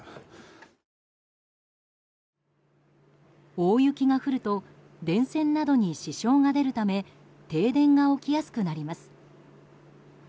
大雪が降ると電線などに支障が出るため停電が起きやすくなります。